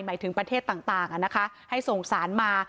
หมายถึงประเทศต่างให้ส่งสารมา